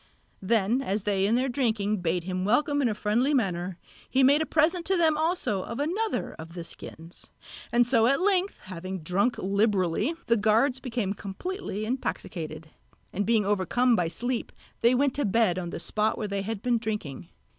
Then as they in their drinking bade him welcome in a friendly manner, he made a present to them also of another of the skins; and so at length having drunk liberally the guards became completely intoxicated; and being overcome by sleep they went to bed on the spot where they had been drinking.